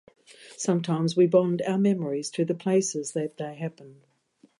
Sometimes we bond our memories to the places that they happen.